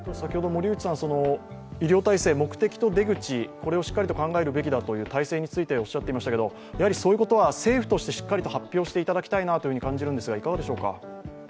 医療体制、目的と出口をしっかりと考えるべきだと体制についておっしゃっていましたけど、そういうことは政府としてしっかりと発表していただきたいと感じるんですがいかがでしょうか？